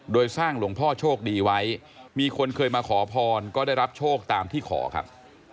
โดยสร้างหลวงพ่อโชคดีไว้มีคนเคยมาขอพรก็ได้รับโชคตามที่ขอครับ